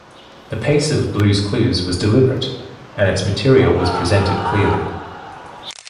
The pace of "Blue's Clues" was deliberate, and its material was presented clearly.